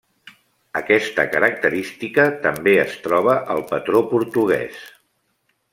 Aquesta característica també es troba al patró portuguès.